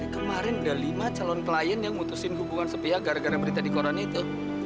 kemarin udah lima calon klien yang mutusin hubungan sepihak gara gara berita di koran itu